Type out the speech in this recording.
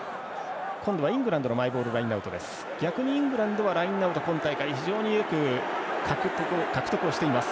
逆にイングランドはマイボールラインアウト非常に今大会獲得をしています。